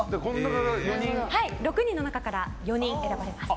６人の中から４人選ばれます。